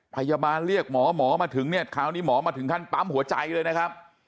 พยาบาลเรียกหมอหมอมาถึงเนี่ยคราวนี้หมอมาถึงขั้นปั๊มหัวใจเลยนะครับ